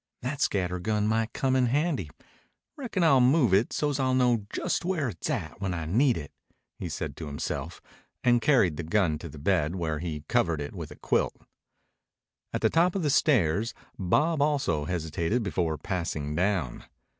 "That scatter gun might come handy. Reckon I'll move it so's I'll know just where it's at when I need it," he said to himself, and carried the gun to the bed, where he covered it with a quilt. At the top of the stairs Bob also hesitated before passing down.